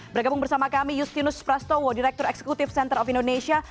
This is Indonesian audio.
bergabung bersama kami justinus prastowo direktur eksekutif center of indonesia